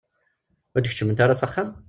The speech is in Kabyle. Ur d-keččment ara s axxam?